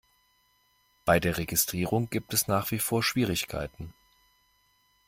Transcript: Bei der Registrierung gibt es nach wie vor Schwierigkeiten.